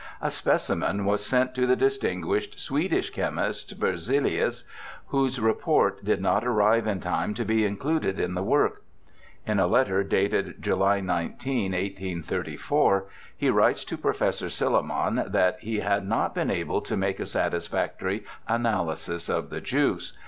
A specimen was A BACKWOOD PHYSIOLOGIST 175 sent to the distinguished Swedish chemist, Berzelius, whose report did not arrive in time to be included in the work. In a letter dated July 19, 1834, he writes to Professor Silliman that he had not been able to make a satisfactory analysis of the juice.